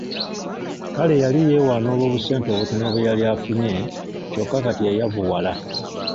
Kale yali yeewaana olw’obusente obutono bwe yali afunye kyokka kati yayavuwala.